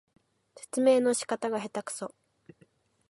説明の仕方がへたくそ